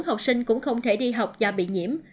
học sinh cũng không thể đi học do bị nhiễm